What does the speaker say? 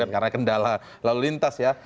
karena kendala lalu lintas ya